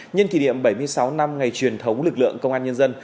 nhân kỷ niệm bảy mươi sáu năm ngày truyền thống lực lượng công an nhân dân